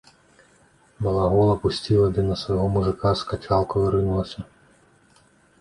Балагола пусціла ды на свайго мужыка з качалкаю рынулася.